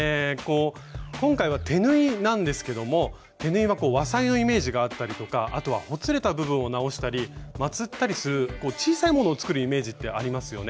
今回は手縫いなんですけども手縫いは和裁のイメージがあったりとかあとはほつれた部分を直したりまつったりする小さいものを作るイメージってありますよね。